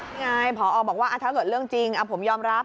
นี่ไงพอบอกว่าถ้าเกิดเรื่องจริงผมยอมรับ